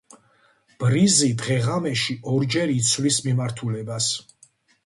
ბრიზი დღე-ღამეში ორჯერ იცვლის მიმართულებას.